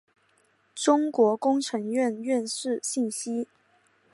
中国工程院院士信息